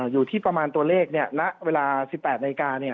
อยู่ที่ประมาณตัวเลขเนี่ยณเวลา๑๘นัยกาเนี่ย